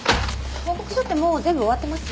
報告書ってもう全部終わってます？